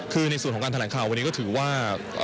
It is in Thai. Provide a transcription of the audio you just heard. คือในส่วนของการแถลงข่าววันนี้ก็ถือว่า